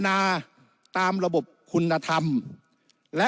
วุฒิสภาจะเขียนไว้ในข้อที่๓๐